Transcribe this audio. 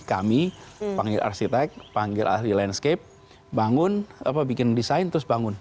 kami panggil arsitek panggil ahli landscape bangun bikin desain terus bangun